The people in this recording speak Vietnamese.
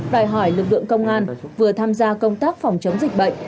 đòi hỏi lực lượng công an vừa tham gia công tác phòng chống dịch bệnh